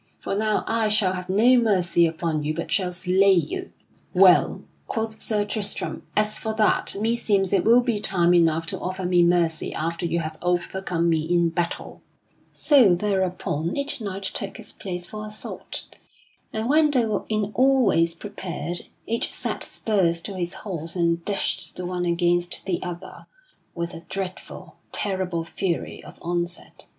For now I shall have no mercy upon you but shall slay you." "Well," quoth Sir Tristram, "as for that, meseems it will be time enough to offer me mercy after you have overcome me in battle." [Sidenote: Sir Tristram does battle with Sir Nabon] So thereupon each knight took his place for assault, and when they were in all ways prepared, each set spurs to his horse and dashed the one against the other, with a dreadful, terrible fury of onset.